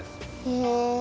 へえ。